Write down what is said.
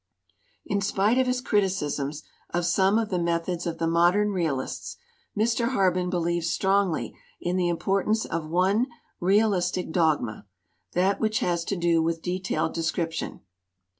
In spite of his criticisms of some of the methods of the modern realists, Mr. Harben believes strongly in the importance of one realistic dogma, that which has to do with detailed description.